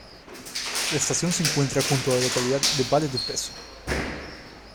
La estación se encuentra junto a la localidad de Vale do Peso.